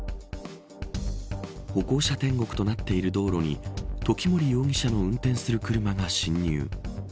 歩行者天国となっている道路に時森容疑者の運転する車が侵入。